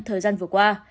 thời gian vừa qua